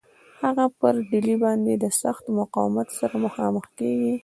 هغه پر ډهلي باندي د سخت مقاومت سره مخامخ کیږي.